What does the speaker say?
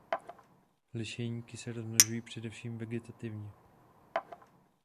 Lišejníky se rozmnožují především vegetativně.